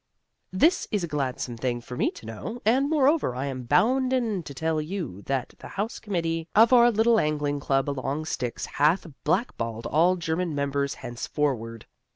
This is a gladsome thing for me to know, and moreover I am bounden to tell you that the house committee of our little angling club along Styx hath blackballed all German members henceforward.